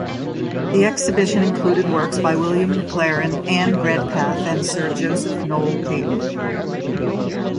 The exhibition included works by William McLaren, Anne Redpath and Sir Joseph Noel Paton.